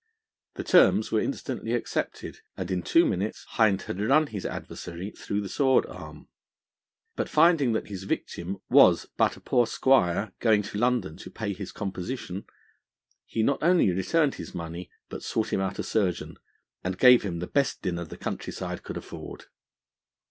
The terms were instantly accepted, and in two minutes Hind had run his adversary through the sword arm. But finding that his victim was but a poor squire going to London to pay his composition, he not only returned his money, but sought him out a surgeon, and gave him the best dinner the countryside could afford.